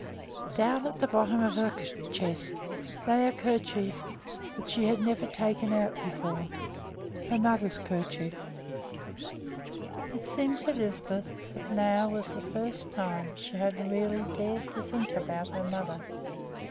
Down at the very bottom of the chest lay a kerchief that she had never taken out before, her mother's kerchief. It seemed to Lisbeth that now was the first time she had really dared to think about her mother.